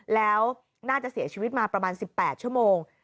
แล้วน่าจะเสียชีวิตมาประมาณ๑๘ชั่วโมง